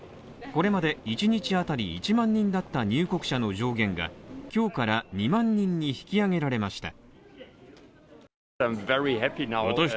これまで１日あたり１万人だった入国者の上限が今日から２万人に引き上げられました。